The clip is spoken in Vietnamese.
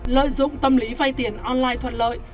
lợi dụng tâm lý vay tiền online thuận lợi